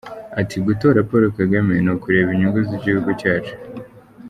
Ati “Gutora Paul Kagame ni ukureba inyungu z’Igihugu cyacu.